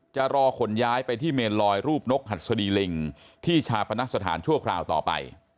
จะรอขนย้ายไปที่เมนลอยรูปนกหัดสดีลิงที่ชาปนสถานชั่วคราวต่อไป